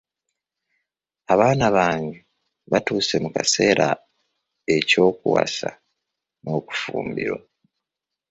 Abaana bange batuuse mu kaseera eky'okuwasa n'okufumbirwa.